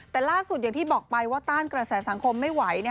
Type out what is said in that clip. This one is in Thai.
แต่ล่าสุดอย่างที่บอกไปว่าต้านกระแสสังคมไม่ไหว